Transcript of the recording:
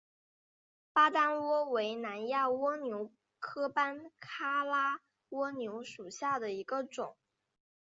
巴丹蜗为南亚蜗牛科班卡拉蜗牛属下的一个种。